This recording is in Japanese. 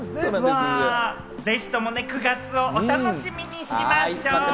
ぜひとも９月をお楽しみにしましょう！